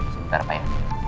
sebentar pak ya